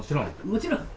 もちろん。